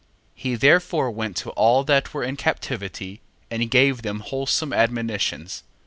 1:15. He therefore went to all that were in captivity, and gave them wholesome admonitions.